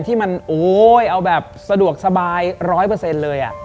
ที่มันโอ้ยเอาแบบสะดวกสบาย๑๐๐เลย